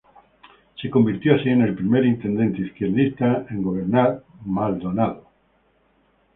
Se convirtió así en el primer intendente izquierdista en gobernar Maldonado.